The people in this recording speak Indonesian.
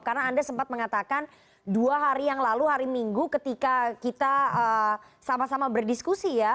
karena anda sempat mengatakan dua hari yang lalu hari minggu ketika kita sama sama berdiskusi ya